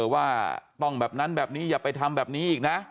ว่าต้องแบบนั้นแบบนี้อย่าไปทำแบบนี้อีกนะ